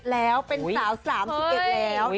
แล้วเป็นสาว๓๑แล้ว